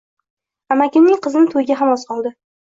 Amakimning qizini to`yiga ham oz qoldi